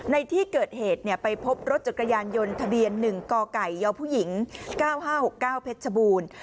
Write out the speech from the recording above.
ในที่เกิดเหตุไปพบรถจักรยานยนต์ทะเบียน๑กไก่ยผู้หญิง๙๕๖๙เพชรบูรณ์